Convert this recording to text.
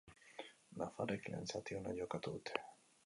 Nafarrek lehen zati ona jokatu dute.